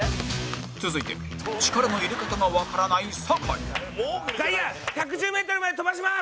続いて力の入れ方がわからない、酒井外野１１０ｍまで飛ばします！